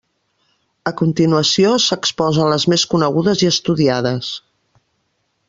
A continuació, s'exposen les més conegudes i estudiades.